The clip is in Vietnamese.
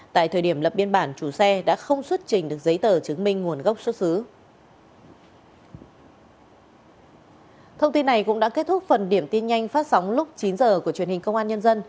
tại thời điểm lập biên bản chủ xe đã không xuất trình được giấy tờ chứng minh nguồn gốc xuất xứ